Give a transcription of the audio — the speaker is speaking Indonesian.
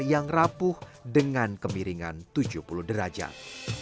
yang rapuh dengan kemiringan tujuh puluh derajat